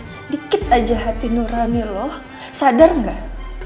sedikit aja hati nurani lo sadar gak